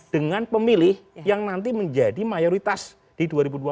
dengan pemilih yang nanti menjadi mayoritas di dua ribu dua puluh